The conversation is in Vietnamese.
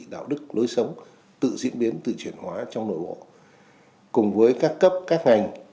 đạo đức lối sống tự diễn biến tự chuyển hóa trong nội bộ cùng với các cấp các ngành